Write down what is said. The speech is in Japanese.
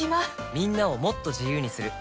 みんなをもっと自由にする「三菱冷蔵庫」